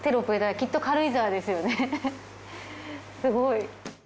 すごい。